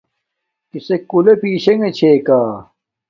کِیسݵک کُلݳرݺ پݵشِنݺ چݵکݳ؟